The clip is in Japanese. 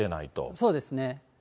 そうですね。